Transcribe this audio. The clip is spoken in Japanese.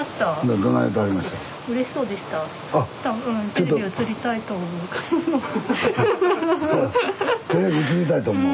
テレビ映りたいと思う？